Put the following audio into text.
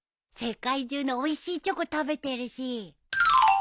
世界中のおいしいチョコ食べてるし。